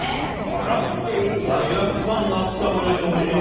あら、罪悪感なく食べられておいしい！